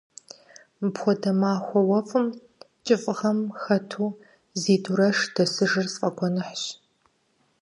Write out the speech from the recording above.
Мыпхуэдэ махуэ уэфӀым кӀыфӀыгъэм хэту зи дурэш дэсыжыр сфӀэгуэныхьщ.